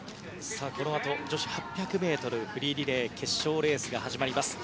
このあと女子８００ｍフリーリレー決勝レースが始まります。